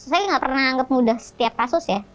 saya nggak pernah anggap mudah setiap kasus ya